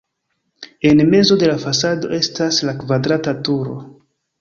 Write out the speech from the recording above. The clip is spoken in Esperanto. En mezo de la fasado estas la kvadrata turo.